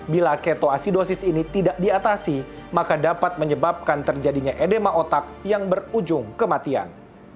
bila ketoasidosis ini tidak diatasi maka dapat menyebabkan terjadinya edema otak yang berujung kematian